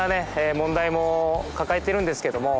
問題も抱えているんですけども。